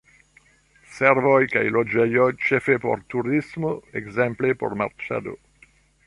Servoj kaj loĝejoj, ĉefe por turismo, ekzemple por marŝado.